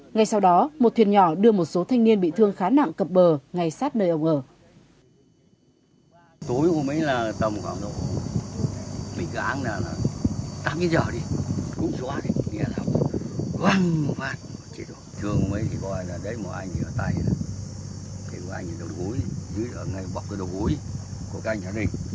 ngay sau đó một thuyền nhỏ đưa một số thanh niên bị thương khá nặng cập bờ ngay sát nơi ông ở